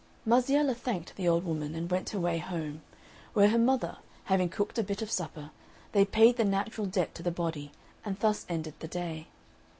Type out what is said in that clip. Marziella thanked the old woman, and went her way home, where her mother, having cooked a bit of supper, they paid the natural debt to the body, and thus ended the day.